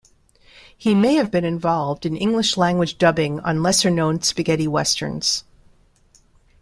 He may have been involved in English-language dubbing on lesser-known spaghetti westerns.